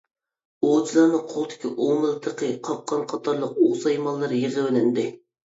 ئوۋچىلارنىڭ قولىدىكى ئوۋ مىلتىقى، قاپقان قاتارلىق ئوۋ سايمانلىرى يىغىۋېلىندى.